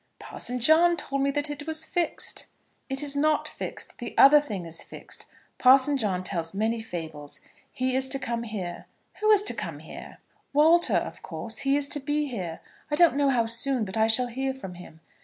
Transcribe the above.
"Parson John told me that it was fixed." "It is not fixed. The other thing is fixed. Parson John tells many fables. He is to come here." "Who is to come here?" "Walter, of course. He is to be here, I don't know how soon; but I shall hear from him.